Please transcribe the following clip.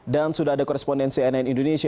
dan sudah ada korespondensi nn indonesia